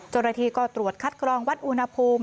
จรฐีก็ตรวจคัดกรองวัดอุณหภูมิ